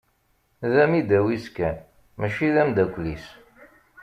D amidaw-is kan, mačči d amdakel-is.